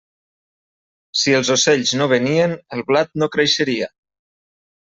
Si els ocells no venien, el blat no creixeria.